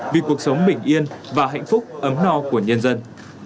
vì cuộc sống bình yên và hạnh phúc ấm no của nhân dân